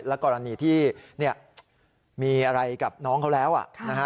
และกรณีที่เนี้ยมีอะไรกับน้องเขาแล้วอ่ะ